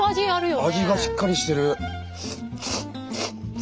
味がしっかりしてる。